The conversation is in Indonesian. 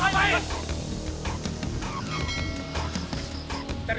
kamu mau ngapain